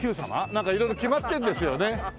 なんか色々決まってるんですよね。